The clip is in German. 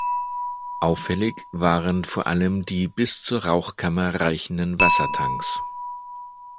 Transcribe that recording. Auffällig waren vor allem die bis zur Rauchkammer reichenden Wassertanks.